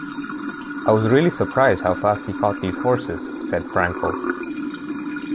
"I was really surprised how fast he caught these horses," said Frankel.